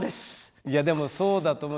いやでもそうだと思う。